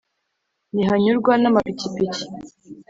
Ntihanyurwa n'amapikipiki